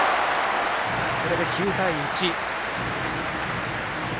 これで９対１。